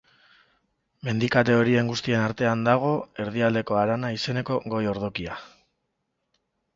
Mendikate horien guztien artean dago Erdialdeko Harana izeneko goi-ordokia.